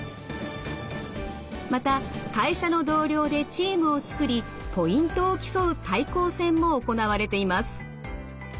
また会社の同僚でチームを作りポイントを競う対抗戦も行われています。